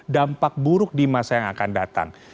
dampak buruk di masa yang akan datang